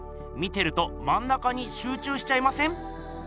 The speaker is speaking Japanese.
見てるとまん中にしゅう中しちゃいません？